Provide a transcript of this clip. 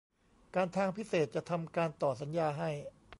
การทางพิเศษจะทำการต่อสัญญาให้